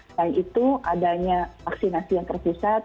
selain itu adanya vaksinasi yang terpusat